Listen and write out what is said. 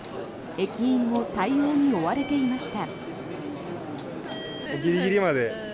駅員も対応に追われていました。